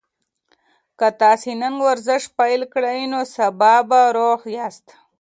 که تاسي نن ورزش پیل کړئ نو سبا به روغ یاست.